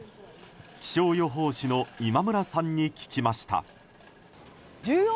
気象予報士の今村さんに聞きました。